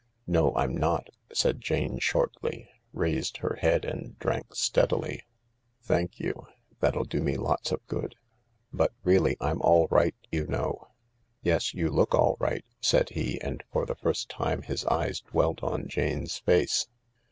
"No, I'm not," said Jane shortly, raised her head and drank steadily. " Thank you. That'll do me lots of good. But really, I'm all right, you know." " Yes, you look all right," said he, and for the first time his eyes dwelt on Jane's face.